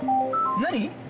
何⁉